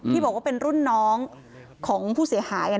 ที่บอกว่าเป็นรุ่นน้องของผู้เสียหาย